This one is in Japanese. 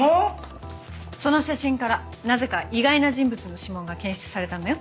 その写真からなぜか意外な人物の指紋が検出されたのよ。